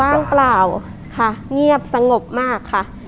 ว่างเปล่าค่ะเงียบสงบมากค่ะ